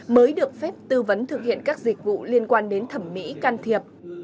mới được phép tư vấn thực hiện các dịch vụ liên quan đến thẩm mỹ can thiệp